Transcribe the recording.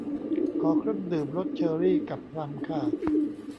ขอเครื่องดื่มรสเชอรี่กับพลัมค่ะ